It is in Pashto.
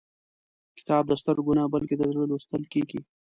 کتاب د سترګو نه، بلکې د زړه لوستل کېږي.